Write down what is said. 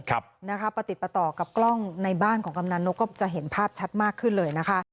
ประติดประต่อกับกล้องในบ้านของกำนันนกก็จะเห็นภาพชัดมากขึ้นเลยนะคะ